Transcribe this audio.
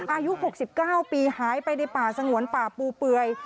อายุหกสิบเก้าปีหายไปในป่าสังหวนป่าปูเปื่อย